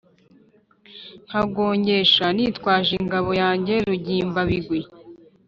nkagongesha nitwaje ingabo yanjye rugimbabigwi